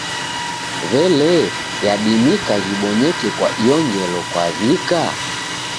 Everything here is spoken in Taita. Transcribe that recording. W'elee, yadimika ghibonyeke kwa iyo ngelo kwaw'ika?